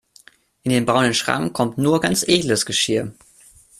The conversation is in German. In den braunen Schrank kommt nur ganz edles Geschirr.